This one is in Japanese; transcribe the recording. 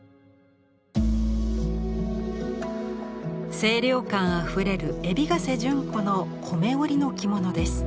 清涼感あふれる海老ヶ瀬順子の織の着物です。